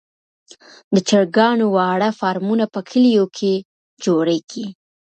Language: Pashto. د چرګانو واړه فارمونه په کليو کې جوړیږي.